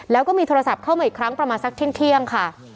แล้วก็มีโทรศัพท์เข้ามาอีกครั้งประมาณสักเที่ยงค่ะ